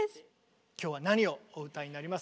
今日は何をお歌いになりますか？